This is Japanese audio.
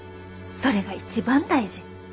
それが一番大事。